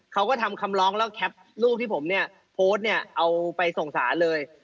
เขาก็ทำคำร้องแล้วแคปรูปที่ผมโพสต์เอาไปส่งสารเลย